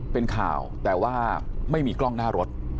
เป็นข่าวแต่ว่าไม่มีกล้องหน้ารถ